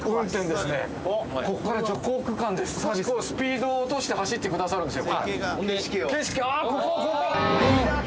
スピードを落として走ってくださるんですよ。